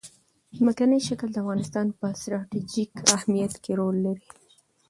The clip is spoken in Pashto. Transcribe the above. ځمکنی شکل د افغانستان په ستراتیژیک اهمیت کې رول لري.